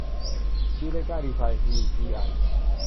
ยูเรกา ดีไซน์ วีจีไอ